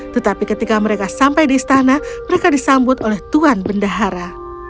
tetapi ketika mereka sampai di istana mereka disambut oleh tuhan bendahara